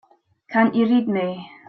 Can't you read me?